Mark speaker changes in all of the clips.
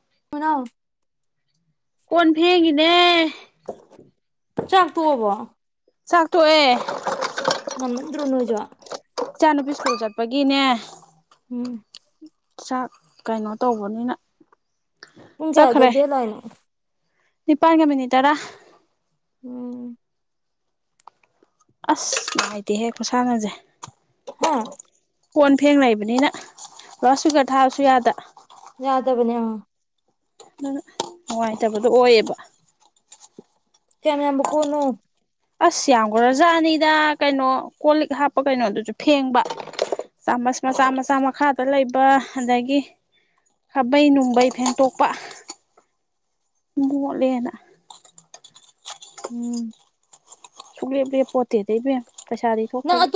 Speaker 1: [unintelligible]
Speaker 2: ꯀꯣꯟ ꯐ‌ꯦꯡꯏꯅ‌ꯦ
Speaker 1: ꯆꯥꯛ ꯇꯣꯛꯑꯕꯣ
Speaker 2: ꯆꯥꯛꯇꯣꯛꯑꯦ
Speaker 1: [unintelligible]
Speaker 2: ꯏꯆꯥ ꯅꯨꯨꯄꯤ ꯏꯁꯀꯨꯜ ꯆꯠꯄꯒꯤꯅꯦ
Speaker 1: ꯎꯝ
Speaker 2: ꯆꯥꯛ ꯀꯩꯅꯣ ꯇꯧꯕꯅꯤꯅ
Speaker 1: ꯄꯨꯡ ꯀꯌꯥꯗ
Speaker 2: ꯆꯠꯈ꯭ꯔꯦ
Speaker 1: ꯕꯦꯟ ꯂꯛꯏꯅꯣ
Speaker 2: ꯅꯤꯄꯥꯟꯒ ꯃꯤꯅꯤꯠ ꯇꯥꯔꯥ
Speaker 1: ꯎꯝ
Speaker 2: ꯑꯁ ꯅꯨꯡꯉꯥꯏꯇꯦꯍꯦ ꯈꯨꯁꯥꯟꯅꯖꯦ
Speaker 1: ꯍꯥꯥ
Speaker 2: ꯀꯣꯟ ꯐꯦꯡ ꯂꯩꯕꯅꯤꯅ ꯂꯥꯎꯠ ꯏꯁꯄꯤꯀꯔ ꯊꯥꯕꯁꯨ ꯌꯥꯗ
Speaker 1: ꯌꯥꯗꯕꯅꯦ ꯑ
Speaker 2: ꯗꯨꯅ ꯅꯨꯡꯉꯥꯏꯇꯕꯗꯣ ꯑꯣꯏꯌꯦꯕ
Speaker 1: ꯀ꯭ꯌꯥꯝ ꯌꯥꯝꯕ ꯀꯣꯟꯅꯣ
Speaker 2: ꯑꯁ ꯌꯥꯝꯒ꯭ꯔꯥꯖꯥꯠꯅꯤꯗ ꯀꯩꯅꯣ ꯀꯣꯜ ꯂꯤꯛ ꯍꯥꯞꯄ ꯀꯩꯅꯣꯗꯨꯁꯨ ꯐꯦꯡꯕ ꯆꯥꯃꯁ ꯃꯆꯥ ꯃꯆꯥ ꯃꯈꯥꯗ ꯂꯩꯕ ꯑꯗꯒꯤ ꯈꯥꯕꯩ ꯅꯨꯡꯕꯩ ꯐꯦꯡꯇꯣꯛꯄ ꯃꯣꯠꯂꯦꯅ
Speaker 1: ꯎꯝ
Speaker 2: ꯁꯨꯡꯂꯦꯞ ꯂꯦꯞꯄꯣꯇꯦ ꯏꯕꯦꯝ ꯄꯩꯁꯥꯗꯤ ꯊꯣꯛꯇꯕ꯫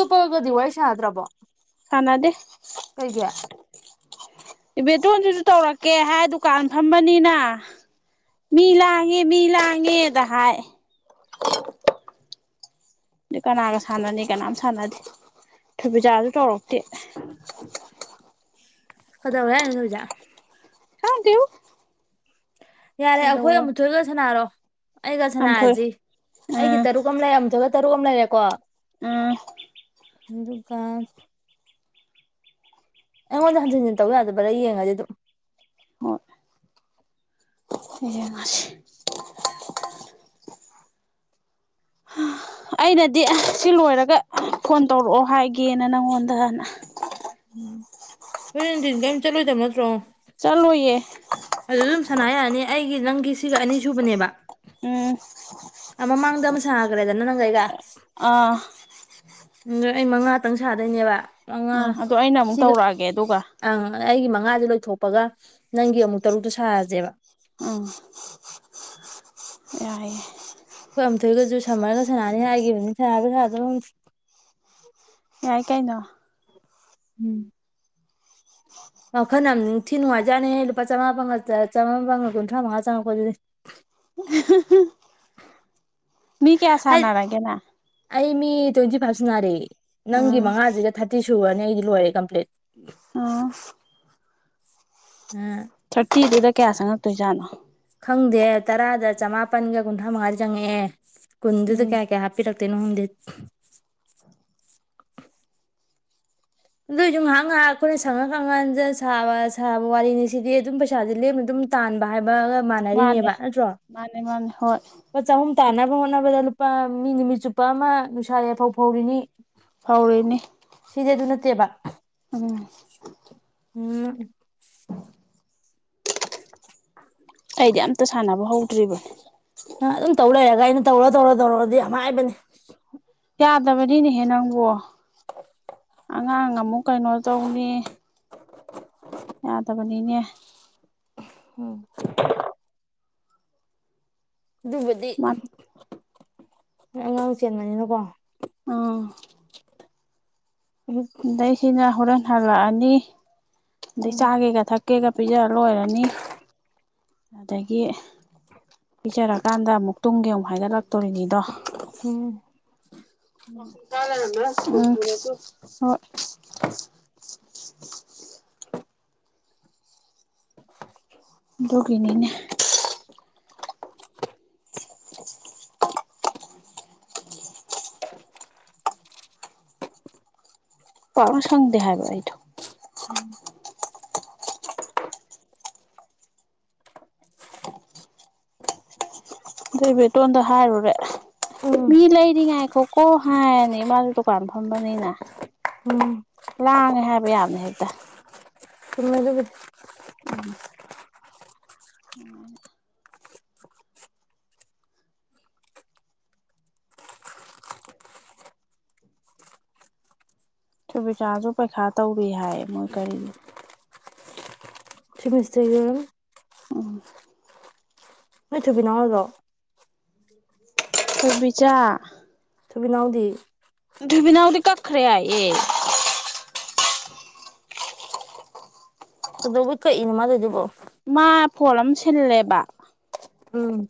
Speaker 1: ꯌꯥꯗ꯭ꯔꯕꯣ꯫
Speaker 2: ꯁꯥꯅꯗꯦ꯫
Speaker 1: ꯀꯩꯒꯤ꯫
Speaker 2: ꯏꯕꯦꯇꯣꯟꯗꯨꯁꯨ ꯇꯧꯔꯛꯀꯦ ꯍꯥꯏ ꯗꯨꯀꯥꯟ ꯐꯝꯕꯅꯤꯅ ꯃꯤ ꯂꯥꯡꯉꯦ ꯃꯤ ꯂꯥꯡꯉꯦꯗ ꯍꯥꯏ꯫ ꯑꯗꯨ ꯀꯅꯥꯒ ꯁꯥꯟꯅꯅꯤ ꯀꯅꯥꯝ ꯁꯥꯟꯅꯗꯦ ꯊꯣꯏꯕꯤꯆꯥꯁꯨ ꯇꯧꯔꯛꯇꯦ꯫
Speaker 1: ꯀꯗꯧꯋꯦ ꯍꯥꯏꯅꯣ [unintelligible]
Speaker 2: ꯍꯥꯏ ꯗꯦ꯫
Speaker 1: ꯌꯥꯔꯦ ꯑꯩꯈꯣꯏ ꯑꯃꯨꯊꯣꯏꯒ ꯁꯅꯥꯔꯣ꯫ ꯑꯩꯒ
Speaker 2: ꯌꯥꯝꯊꯣꯏ
Speaker 1: ꯁꯅꯥꯁꯤ ꯑꯩꯒꯤ
Speaker 2: ꯑꯥ
Speaker 1: ꯇꯔꯨꯛ ꯑꯃ ꯂꯩꯔꯝ ꯑꯃꯨꯊꯣꯏꯒ ꯇꯔꯨꯛ ꯍꯣꯝ ꯂꯩꯔꯦꯀꯣ꯫
Speaker 2: ꯎꯝ꯫
Speaker 1: ꯑꯗꯨꯒ ꯑꯩꯉꯣꯟꯗ ꯍꯟꯖꯟ ꯍꯟꯖꯟ ꯇꯧ ꯌꯥꯗꯕ꯭ꯔꯥ ꯌꯦꯡꯉꯗꯤ ꯑꯗꯨꯝ
Speaker 2: ꯍꯣꯏ꯫ ꯌꯦꯉꯁꯤ꯫ ꯍꯥ ꯑꯩꯅꯗꯤ ꯑꯁ ꯁꯤ ꯂꯣꯏꯔꯒ ꯐꯣꯟ ꯇꯧꯔꯛꯑꯣ ꯍꯥꯏꯒꯦꯅ ꯅꯪꯉꯣꯟꯗ
Speaker 1: ꯎꯝ ꯍꯣꯔꯦꯟ ꯅꯨꯡꯊꯤꯟ ꯀꯩꯝ ꯆꯠꯂꯣꯏꯗꯕ ꯅꯠꯇ꯭ꯔꯣ꯫
Speaker 2: ꯆꯠꯂꯣꯏꯌꯦ꯫
Speaker 1: ꯑꯗꯨꯗ ꯗꯨꯝ ꯁꯥꯟꯅ ꯌꯥꯅꯤ ꯑꯩꯒꯤ ꯅꯪꯒꯤ꯫ ꯁꯤꯒ ꯑꯅꯤꯁꯨꯕꯅꯦꯕ
Speaker 2: ꯎꯝ
Speaker 1: ꯑꯃ ꯃꯥꯡꯗ ꯑꯃ ꯁꯥꯈ꯭ꯔꯦꯗꯅ ꯅꯪ ꯖꯒꯥ [unintelligible]
Speaker 2: ꯑꯥ
Speaker 1: ꯑꯩ ꯃꯛꯇꯪ ꯁꯥꯗꯣꯏꯅꯦꯕ ꯃꯉꯥ
Speaker 2: ꯎꯝ ꯑꯗꯣ ꯑꯩꯅ ꯑꯃꯨꯛ
Speaker 1: ꯁꯤꯒ
Speaker 2: ꯇꯧꯔꯛꯑꯒꯦ ꯑꯗꯨꯒ
Speaker 1: ꯑꯪ ꯑꯩꯒꯤ ꯃꯥ ꯃꯉꯥꯥꯗꯨ ꯂꯣꯏꯊꯣꯛꯄꯒ ꯅꯪꯒꯤ ꯑꯃꯨꯛ ꯇꯔꯨꯛꯇꯣ ꯁꯥꯅꯔꯁꯦꯕ
Speaker 2: ꯎꯝ ꯌꯥꯌꯦ
Speaker 1: [unintelligible]
Speaker 2: ꯌꯥꯏ ꯀꯩꯅꯣ
Speaker 1: ꯎꯝ ꯋꯥꯈꯅ ꯑꯃ ꯅꯤꯡꯊꯤ ꯅꯨꯡꯉꯥꯏꯖꯥꯠꯅꯦ ꯂꯨꯄꯥ ꯆꯥꯝꯃꯉꯥꯄꯥꯃꯉꯥꯄꯒ ꯀꯨꯟꯊ꯭ꯔꯥ ꯃꯉꯥ ꯆꯪꯉꯛꯄꯗꯨꯗꯤ
Speaker 2: [unintelligible] ꯃꯤ ꯀꯌꯥ
Speaker 1: ꯍꯥꯏ
Speaker 2: ꯁꯅꯔꯒꯦ ꯅꯡ
Speaker 1: ꯑꯩ ꯃꯤ ꯇꯣꯏꯟꯇꯤ ꯐꯥꯑꯦꯕ ꯁꯟꯔꯦ ꯅꯡꯒꯤ
Speaker 2: ꯎꯝ
Speaker 1: ꯃꯉꯥꯁꯤꯒ ꯊꯥꯔꯇꯤ ꯁꯨꯨꯔꯅꯤ ꯑꯩꯗꯤ ꯂꯣꯏꯔꯦ ꯀꯝꯄ꯭꯭ꯂꯦꯠ
Speaker 2: ꯊꯇꯤꯗꯨꯗ ꯀꯌꯥ ꯆꯥꯉꯥꯛ ꯇꯣꯏ ꯖꯥꯠꯅꯣ
Speaker 1: ꯈꯪꯗꯦ ꯇꯔꯥꯗ ꯆꯃꯥꯄꯟꯒ ꯀꯨꯟꯊ꯭ꯔꯥ ꯃꯉꯥꯗꯤ ꯆꯪꯉꯛꯑꯦ ꯀꯨꯟꯗꯨꯗ
Speaker 2: ꯎꯝ
Speaker 1: ꯀꯌꯥ ꯀꯌꯥ ꯍꯥꯄꯤꯔꯛ ꯇꯣꯏꯅꯣꯍꯨꯝꯗꯦ ꯑꯗꯨꯏꯁꯨ ꯉꯥꯏꯍꯥꯛ ꯉꯥꯏꯍꯥꯛ ꯑꯩꯈꯣꯏꯅ ꯁꯪꯉ [unintelligible] ꯁꯥꯕ ꯁꯥꯕ ꯋꯥꯔꯤꯅꯤ ꯁꯤꯗꯤ ꯑꯗꯨꯝ ꯄꯩꯁꯥꯗꯤ ꯂꯦꯝꯅ ꯑꯗꯨꯝ ꯇꯥꯟꯕ ꯍꯥꯏꯕ
Speaker 2: ꯃꯥꯅꯦ
Speaker 1: ꯃꯥꯟꯅꯔꯤꯅꯦꯕ ꯅꯠꯇ꯭ꯔꯣ
Speaker 2: ꯃꯥꯅꯦ ꯃꯥꯅꯦ ꯍꯣꯏ
Speaker 1: ꯆꯍꯨꯝ ꯇꯥꯅꯕ ꯍꯣꯠꯅꯕꯗ ꯂꯨꯄꯥ ꯃꯤ ꯅꯨꯃꯤꯠ ꯆꯨꯞꯄ ꯑꯃ ꯅꯨꯡꯁꯥ ꯌꯥꯐꯧ ꯐꯧꯔꯤꯅꯤ
Speaker 2: ꯐꯥꯎꯔꯤꯅꯤ
Speaker 1: ꯇꯦꯕ
Speaker 2: ꯎꯝ
Speaker 1: ꯎꯝ
Speaker 2: ꯑꯩꯗꯤ ꯑꯝꯇ ꯁꯥꯟꯅꯕ ꯍꯧꯗ꯭ꯔꯤꯕꯅꯦ
Speaker 1: ꯑ ꯑꯗꯨꯝ ꯇꯧ ꯂꯩ ꯑꯗ ꯑꯩꯅ ꯇꯧꯔ ꯇꯧꯔ ꯇꯧꯔꯗꯤ ꯌꯥꯝ ꯍꯥꯏꯕꯅꯤ
Speaker 2: ꯌꯥꯗꯕꯅꯤꯅꯦꯍꯦ ꯅꯪꯕꯣ
Speaker 1: [unintelligible]
Speaker 2: ꯑꯉꯥꯡ ꯑꯃꯨꯛ ꯀꯩꯅꯣ ꯇꯧꯅꯤ ꯌꯥ ꯇꯕꯅꯤꯅꯦ
Speaker 1: ꯎꯝ ꯑꯗꯨꯕꯨꯗꯤ
Speaker 2: ꯃꯥꯅꯤ
Speaker 1: ꯑꯉꯥꯡ ꯆꯦꯟꯕꯅꯤꯅꯀꯣ
Speaker 2: ꯑꯥ
Speaker 1: ꯎꯝ
Speaker 2: ꯗꯩꯁꯤꯅ ꯍꯣꯔꯦꯟ ꯍꯜꯂꯛꯑꯅꯤ ꯗꯩ
Speaker 1: ꯎꯝ
Speaker 2: ꯆꯥꯒꯦꯒ ꯊꯛ ꯀꯦꯒ ꯄꯤꯖ ꯂꯣꯏꯔꯅꯤ ꯑꯗꯒꯤ ꯄꯤꯆꯔ ꯀꯥꯟꯗ ꯑꯃꯨꯛ ꯇꯨꯝꯒꯤ ꯑꯃꯨꯛ ꯍꯥꯏꯒꯠꯂꯛ ꯇꯣꯏꯅꯤꯗꯣ
Speaker 1: ꯎꯝ
Speaker 2: [unintelligible] ꯗꯨꯒꯤꯅꯤꯅꯦ [unintelligible] ꯄꯥꯛꯅ ꯁꯪꯗꯦ ꯍꯥꯏꯕ ꯑꯩꯗꯣ ꯑꯗꯩ ꯏꯕꯦꯇꯣꯟꯗ ꯍꯥꯏꯔꯨꯔꯦ
Speaker 1: ꯎꯝ
Speaker 2: ꯃꯤ ꯂꯩꯥꯏꯔꯤ ꯉꯥꯏ ꯈꯣꯀꯣ ꯍꯥꯏꯔꯅꯤ ꯃꯥꯁꯨ ꯗꯨꯀꯥꯟ ꯐꯝꯕꯅꯤꯅ
Speaker 1: ꯎꯝ
Speaker 2: ꯂꯥꯡꯉꯦ ꯍꯥꯏꯕ ꯌꯥꯝꯅ ꯍꯦꯛꯇ
Speaker 1: ꯎꯝ ꯑꯗꯨꯕꯨꯗꯤ
Speaker 2: ꯎꯝꯍ [unintelligible] ꯁꯨꯕꯤꯆꯥꯥꯁꯨ ꯄꯩꯈꯥ ꯇꯧꯔꯤ ꯍꯥꯏꯌꯦ ꯃꯣꯏ ꯀꯔꯤꯒꯤꯅꯣ
Speaker 1: ꯁꯃꯤꯁꯇꯔꯒꯤ ꯑꯣꯏꯔꯝꯅꯤ
Speaker 2: ꯎꯝ
Speaker 1: ꯅꯣꯏ ꯊꯣꯏꯕꯤꯅꯦ ꯍꯥꯏꯔꯣ꯫
Speaker 2: ꯊꯣꯏꯕꯤꯆꯥ
Speaker 1: ꯊꯣꯏꯕꯤꯅꯥꯎꯗꯤ
Speaker 2: ꯕꯤꯅꯥꯎꯗꯤ ꯀꯛꯈꯔꯦ ꯍꯥꯏ ꯑꯦ
Speaker 1: ꯀꯩꯗꯧꯕꯩ ꯀꯛꯏꯅꯣ ꯃꯥ ꯇꯧꯏꯗꯨꯕꯣ
Speaker 2: ꯐꯣꯜ ꯑꯝ ꯁꯤꯜꯂꯦꯕ
Speaker 1: ꯎꯝ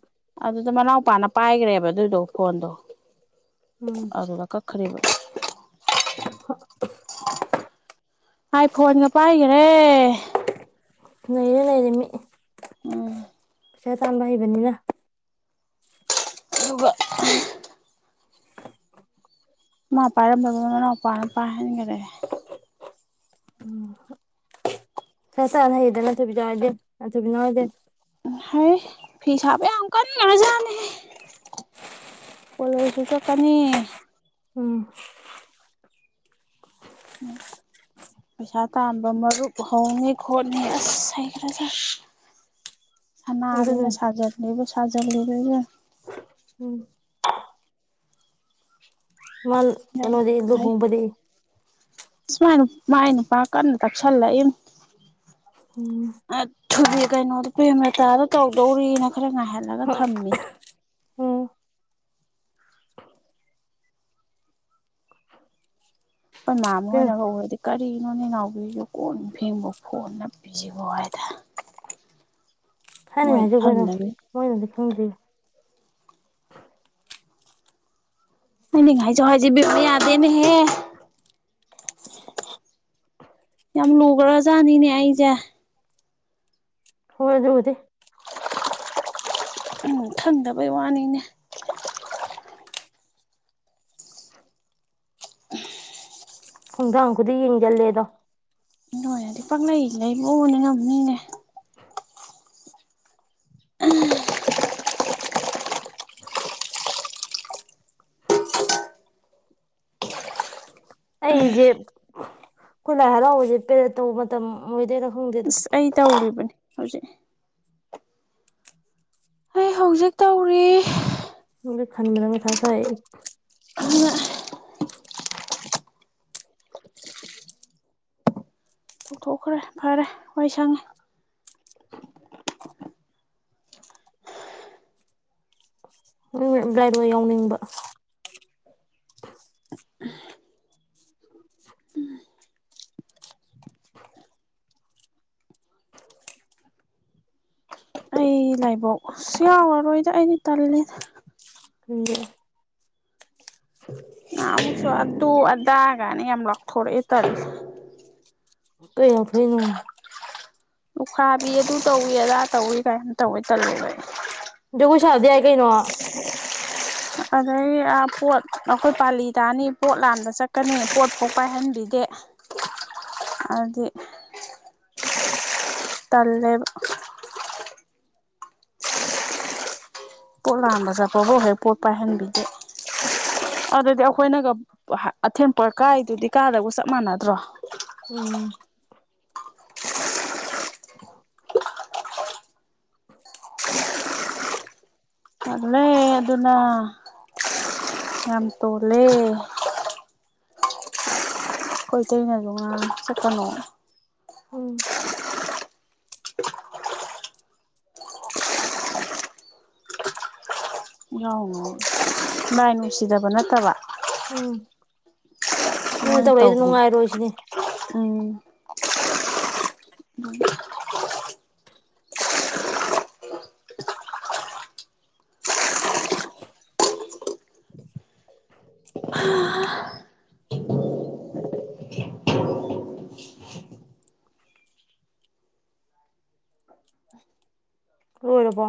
Speaker 2: ꯑꯗꯨꯗ ꯃꯅꯥꯎꯄꯥꯅ ꯄꯥꯏꯒꯔꯦꯕ ꯑꯗꯨꯏꯗꯣ ꯐꯣꯟꯗꯣ
Speaker 1: ꯎꯝ
Speaker 2: ꯑꯗꯨꯗ ꯀꯛ ꯈꯔꯦꯕ ꯑꯥꯏ ꯐꯣꯟꯒ ꯄꯥꯏꯒꯔꯦ
Speaker 1: ꯅꯩꯔꯦ ꯅꯩꯔꯦ꯫
Speaker 2: ꯎꯝ
Speaker 1: ꯄꯩꯁꯥ ꯇꯥꯟꯕ ꯍꯩꯕꯅꯤꯅ
Speaker 2: ꯑꯗꯨꯒ ꯃꯥ ꯄꯥꯏꯔꯝꯕꯗꯨꯅ ꯃꯅꯥꯎꯄꯥꯅ ꯄꯥꯏꯍꯟꯒꯔꯦ
Speaker 1: ꯆ ꯆꯅ ꯍꯩꯗꯦ ꯅꯠꯇꯕꯤ ꯆꯗꯦ ꯅꯊꯕꯤ ꯅꯥꯏꯗꯦ [inaudible]
Speaker 2: ꯍꯥꯏ ꯐꯤ ꯁꯥꯕ ꯌꯥꯝ ꯀꯟꯒꯔꯖꯥꯅꯤꯍꯦ ꯀꯣꯂꯦꯖꯁꯨ ꯆꯠꯀꯅꯤ
Speaker 1: ꯎꯝ
Speaker 2: ꯄꯩꯁꯥ ꯇꯥꯟꯕ ꯃꯔꯨꯞ ꯍꯧꯅꯤ ꯈꯣꯠꯅꯤ ꯑꯁ ꯍꯩꯒꯔꯁꯥ
Speaker 1: ꯑꯗꯨꯅ
Speaker 2: ꯁꯅꯗꯅ ꯁꯥꯖꯠ ꯂꯩꯕ ꯁꯥꯖꯂꯨꯔꯦ ꯏꯕꯦꯝ
Speaker 1: ꯎꯝ ꯃꯅ
Speaker 2: ꯌꯥꯝ
Speaker 1: ꯀꯩꯅꯣꯗꯤ
Speaker 2: ꯍꯩ
Speaker 1: ꯂꯨꯍꯣꯡꯕꯗꯤ
Speaker 2: ꯃꯥꯥꯏ ꯅꯨꯄꯥ ꯀꯟꯅ ꯇꯛꯁꯜꯂꯛ ꯏꯕꯅꯤ
Speaker 1: ꯎꯝ
Speaker 2: ꯊꯨꯕꯤ ꯀꯩꯅꯣ [inaudible] ꯄꯩꯁꯗꯨ ꯇꯧꯗꯧꯔꯤꯅ ꯈꯔ ꯉꯥꯏꯍꯜꯂꯒ ꯊꯝꯃꯤ
Speaker 1: ꯎꯝ
Speaker 2: ꯃꯥꯝꯃ
Speaker 1: ꯀꯩꯅꯣ
Speaker 2: ꯍꯤꯏꯅꯒ ꯎꯔꯗꯤ ꯀꯔꯤꯒꯤꯅꯣ ꯅꯣꯏꯅꯥꯎꯕꯤꯖꯤ ꯀꯣꯟ ꯐꯦꯡꯕꯣ ꯐꯣꯟ ꯅꯄꯤꯖꯤꯕꯣ ꯍꯥꯏꯗ
Speaker 1: ꯍꯥꯏꯅꯦ
Speaker 2: ꯃꯣꯏ
Speaker 1: ꯍꯥꯏꯖꯕꯅꯤ
Speaker 2: ꯈꯪꯗꯕꯩ
Speaker 1: ꯀꯩꯅꯣ ꯃꯣꯏꯅ ꯅꯤ ꯈꯪꯗꯤ
Speaker 2: ꯍꯥꯏꯅꯤꯡ ꯍꯥꯏꯖꯧ ꯍꯥꯏꯖꯤ ꯏꯕꯦꯝ ꯌꯥꯗꯅꯦ ꯍꯦ ꯌꯥꯝ ꯂꯨꯒꯔꯖꯥꯠꯅꯤꯅꯦ ꯑꯩꯖꯦ
Speaker 1: ꯍꯣꯏ ꯑꯗꯨꯕꯨꯗꯤ [inaudible]
Speaker 2: ꯈꯟꯗꯕꯩ ꯋꯥꯅꯤꯅꯦ
Speaker 1: ꯈꯣꯡꯗꯥꯡ ꯈꯨꯗꯤ ꯌꯦꯡꯖꯜꯂꯦꯗꯣ
Speaker 2: ꯄꯪꯂꯩ ꯂꯩꯕꯣꯏ ꯅꯤꯉꯝꯅꯤꯅꯦ
Speaker 1: ꯑꯩꯖꯦ ꯈꯣꯏ ꯂꯥꯏꯍꯔꯥꯎꯕꯖꯦ ꯄꯦꯔꯠ ꯇꯧꯕ ꯃꯇꯝ ꯃꯣꯏꯗꯣꯏꯔ
Speaker 2: ꯑꯁ ꯑꯩ ꯇꯧꯔꯤꯕꯅꯤ ꯍꯧꯖꯤꯛ ꯑꯩ ꯍꯧꯖꯤꯛ ꯇꯧꯔꯤ
Speaker 1: ꯈꯟꯕꯗ ꯃꯊꯥ ꯁꯥꯏ ꯑꯩ
Speaker 2: ꯑꯗꯨꯒ ꯇꯧꯊꯣꯛꯈ꯭ꯔꯦ ꯐꯔꯦ ꯋꯥꯏ ꯁꯪꯉꯦ
Speaker 1: [unintelligible] ꯌꯥꯎꯅꯤꯡꯕ
Speaker 2: ꯑꯩ ꯂꯥꯏꯕꯛ ꯌꯥꯎꯔꯔꯣꯏꯗ ꯑꯩꯗꯤ ꯇꯜꯂꯦꯗ
Speaker 1: ꯈꯪꯗꯦ
Speaker 2: ꯨꯉꯍꯥꯟꯃꯨꯛꯁꯨ ꯑꯗꯨ ꯑꯗꯥ ꯒꯥꯏꯅ ꯌꯥꯝ ꯂꯥꯎꯊꯣꯔꯤꯑꯦ ꯇꯜꯂꯦ
Speaker 1: ꯀꯩ ꯂꯥꯎꯊꯣꯛꯏꯅꯣ
Speaker 2: ꯂꯨꯈꯥꯕꯤ ꯑꯗꯨ ꯇꯧꯏꯤ ꯑꯗꯥ ꯇꯧꯏ ꯀꯥꯏꯅ ꯌꯥꯝ ꯇꯧꯋꯦ ꯇꯜꯂꯦꯕ ꯑꯩ
Speaker 1: [unintelligible] [unintelligible] ꯌꯥꯏ ꯀꯩꯅꯣ
Speaker 2: ꯑꯗꯒꯤ ꯑꯥ ꯄꯣꯠ ꯑꯩꯈꯣꯏ ꯄꯥꯂꯤ ꯇꯥꯅꯤ ꯄꯣꯠ ꯂꯥꯟꯕ ꯆꯠꯀꯅꯤ ꯄꯣꯠꯄꯥꯎ ꯄꯥꯏꯍꯟꯕꯤꯗꯦ ꯑꯗꯨꯗꯤ ꯇꯜꯂꯦꯕ ꯄꯣꯠ ꯂꯥꯟꯕ ꯆꯠꯄꯕꯨꯣ ꯍꯦꯛ ꯄꯣꯠ ꯄꯥꯏꯍꯟꯕꯤꯗꯦ ꯑꯗꯨꯗꯤ ꯑꯩꯈꯣꯏꯅꯒ ꯑꯊꯦꯟ ꯄꯣꯠꯀꯥꯏꯗꯨꯗꯤ ꯀꯥꯗꯕꯒ ꯆꯞ ꯃꯥꯟꯅꯗ꯭ꯔꯣ
Speaker 1: ꯎꯝ
Speaker 2: ꯇꯜꯂꯦ ꯑꯗꯨꯅ ꯌꯥꯝ ꯇꯣꯜꯂꯦ ꯈꯣꯏ ꯏꯇꯩꯅꯖꯨ ꯉꯥꯡꯉꯤ ꯆꯠꯀꯅꯣꯅ
Speaker 1: ꯎꯝ
Speaker 2: ꯌꯥꯎꯅꯣꯅ ꯂꯥꯏ ꯅꯨꯡꯁꯤꯗꯕ ꯅꯠꯇꯕ
Speaker 1: ꯅꯣꯅ
Speaker 2: ꯃꯣꯏꯅ
Speaker 1: ꯇꯧꯔꯛꯏꯗꯣ
Speaker 2: ꯇꯧꯔꯤ
Speaker 1: ꯅꯨꯡꯉꯥꯏꯔꯣꯏ ꯁꯤꯅꯤ
Speaker 2: ꯎꯝ꯫ [unintelligible]
Speaker 1: ꯂꯣꯏꯔꯕꯣ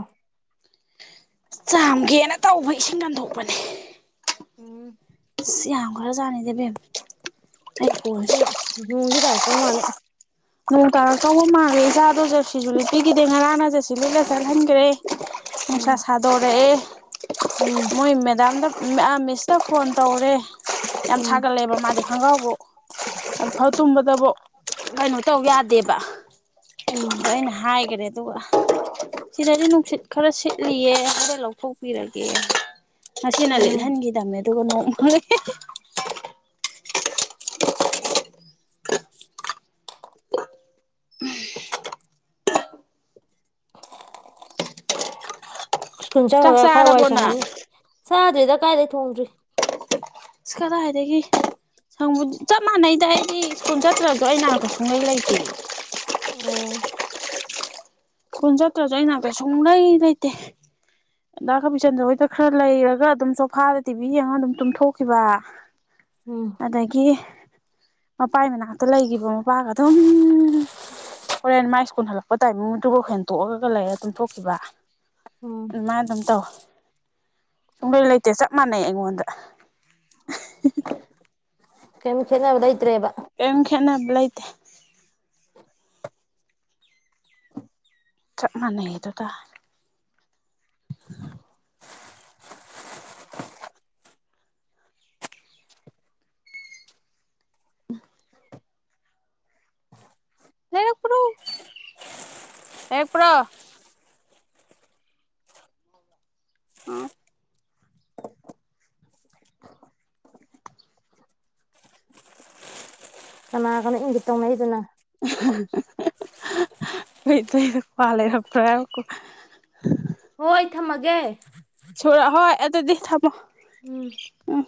Speaker 2: ꯆꯥꯝꯒꯦꯅ ꯇꯧꯕ ꯏꯁꯤꯡ ꯉꯟꯊꯣꯛꯄꯅꯦ
Speaker 1: ꯎꯝ
Speaker 2: ꯑꯁ ꯌꯥꯝ ꯈꯔ ꯖꯥꯟꯅꯤꯗ ꯏꯕꯦꯝꯃ ꯑꯩ ꯀꯣꯟꯁꯦ
Speaker 1: ꯅꯣꯡꯁꯦ ꯇꯥꯔꯛꯇꯧ ꯃꯥꯜꯂꯦ
Speaker 2: ꯅꯣꯡ ꯇꯥꯔꯛ ꯇꯧꯕ ꯃꯜꯂꯦ ꯏꯆꯥꯗꯣ ꯖꯔꯁꯤꯁꯨ ꯂꯤꯠꯄꯤꯒꯤꯗꯦ ꯉꯔꯥꯡꯅ ꯖꯔꯁꯤ ꯂꯤꯠꯂ ꯆꯠꯍꯟꯒ꯭ꯔꯦ ꯅꯨꯡꯁꯥ
Speaker 1: ꯎꯝ
Speaker 2: ꯁꯥꯗꯣꯔꯛꯑ
Speaker 1: ꯎꯝ
Speaker 2: ꯃꯣꯏ ꯃꯦꯗꯥꯝꯗ ꯑꯥ ꯃꯤꯁꯇ ꯐꯣꯟ ꯇꯧꯔꯦ ꯌꯥꯝ
Speaker 1: ꯎꯝ
Speaker 2: ꯁꯥꯒꯠꯂꯦꯕ ꯃꯥꯗꯤ ꯈꯣꯡꯒ꯭ꯔꯥꯎꯕꯨꯡ ꯂꯧꯊꯣꯛ ꯇꯨꯝꯕꯗꯕꯨꯛ ꯀꯩꯅꯣ ꯇꯧ ꯌꯥꯗꯦꯕ
Speaker 1: ꯎꯝ
Speaker 2: ꯑꯗ ꯑꯩꯅ ꯍꯥꯏꯒ꯭ꯔꯦ ꯑꯗꯨꯒ ꯁꯤꯗꯗꯤ ꯅꯨꯡꯁꯤꯠ ꯈꯔ ꯁꯤꯠꯂꯤꯌꯦ ꯍꯣꯔꯦꯟ ꯂꯧꯊꯣꯛꯄꯤꯔꯒꯦ ꯉꯁꯤꯅ
Speaker 1: ꯎꯝ
Speaker 2: ꯂꯩꯠꯍꯟꯒꯤꯗ ꯃꯦ ꯑꯗꯨꯒꯅꯦ [unintelligible]
Speaker 1: ꯁ꯭ꯀꯨꯜ
Speaker 2: ꯆꯥꯛ
Speaker 1: ꯆꯪꯉꯒ ꯈꯔ ꯋꯥꯏ
Speaker 2: ꯆꯥꯔꯕꯣ ꯅꯪ
Speaker 1: ꯁꯪꯉꯝꯅꯤ ꯆꯥꯛ ꯗꯦꯗ ꯀꯥꯏꯗꯩ ꯊꯣꯡꯗ꯭ꯔꯤ꯫
Speaker 2: ꯀꯗꯥꯏꯗꯒꯤ ꯁꯪꯕ ꯆꯞ ꯃꯥꯟꯅꯩꯗ ꯑꯩꯗꯤ ꯁ꯭ꯀꯨꯜ ꯆꯠꯇ꯭ꯔꯖꯨ ꯑꯩꯩ ꯅꯥꯛꯇ ꯁꯨꯡꯂꯩ ꯂꯩꯇꯦ꯫
Speaker 1: ꯑꯣ꯫
Speaker 2: ꯁ꯭ꯀꯨꯜ ꯆꯠꯇ꯭ꯔꯁꯨ ꯑꯩꯅꯥꯛꯇ ꯁꯨꯡꯂꯩ ꯂꯩꯇꯦ ꯗꯥ ꯀꯥꯕꯤꯆꯟꯗ꯭ꯔꯥ ꯍꯣꯏꯗ ꯈꯔ ꯂꯩꯔꯒ ꯑꯗꯨꯝ ꯁꯣꯐꯥꯗ ꯇꯤꯚꯤ ꯌꯦꯡꯉꯒ ꯑꯗꯨꯝ ꯇꯨꯝꯊꯣꯛꯈꯤꯕ
Speaker 1: ꯎꯝ
Speaker 2: ꯑꯗꯒꯤ ꯃꯄꯥꯢ ꯃꯅꯥꯛ ꯇ ꯂꯩꯒꯤꯕ ꯃꯄꯥꯒ ꯑꯗꯨꯝ ꯍꯣꯔꯦꯟ ꯃꯥꯏ ꯁ꯭ꯀꯨꯜ ꯍꯂꯛꯄ ꯇꯥꯏꯃꯤ ꯑꯗꯨ ꯍꯦꯡꯇꯣꯛꯑꯒ ꯂꯩꯔ ꯇꯨꯊꯣꯛꯈꯤꯕ
Speaker 1: ꯎꯝ
Speaker 2: ꯑꯗꯨꯃꯥꯢ ꯑꯗꯨꯝ ꯇꯧ ꯁꯨꯡꯂꯩ ꯂꯩꯇꯦ ꯆꯞ ꯃꯥꯟꯅꯩ ꯑꯩꯉꯣꯟꯗ
Speaker 1: ꯀꯌꯥꯝ ꯈꯦꯠꯅꯕ ꯂꯩꯇ꯭ꯔꯦꯕ
Speaker 2: ꯀꯌꯥꯝ ꯈꯦꯠꯅꯕ ꯂꯩꯇꯦ ꯆꯞ ꯃꯥꯟꯅꯩ ꯑꯗꯨ ꯇꯥꯔꯦ ꯎꯝ ꯂꯩꯔꯛꯄ꯭ꯔꯣ ꯂꯩꯔꯛꯄ꯭ꯔꯣ ꯎꯝ
Speaker 1: ꯀꯅꯥꯒꯅꯣ ꯢꯪꯒꯤꯠ ꯇꯧꯅꯩꯗꯨꯅ
Speaker 2: ꯈꯣꯢ ꯢꯇꯩꯗ ꯀ꯭ꯋꯥ ꯂꯩꯔꯛꯄ꯭ꯔꯥ ꯉꯥꯢꯈꯣ
Speaker 1: ꯍꯣꯏ ꯊꯝꯃꯒꯦ
Speaker 2: ꯍꯣꯏ ꯑꯗꯨꯗꯤ ꯊꯝꯃꯣ
Speaker 1: ꯎꯝ
Speaker 2: ꯎꯝ